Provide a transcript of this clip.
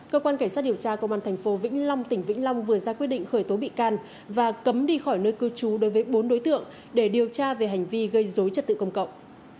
cơ quan cảnh sát điều tra công an tp vĩnh long tỉnh vĩnh long vừa ra quyết định khởi tố bị can và cấm đi khỏi nơi cư trú đối với bốn đối tượng để điều tra về hành vi gây dối trật tự công cộng